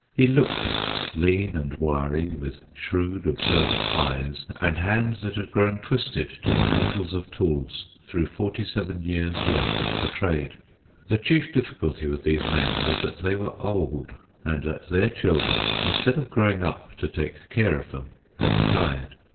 He looked it, lean and wiry, with shrewd, observant eyes, and hands that had grown twisted to the handles of tools through forty seven years' work at the trade. The chief difficulty with these men was that they were old, and that their children, instead of growing up to take care of them, had died.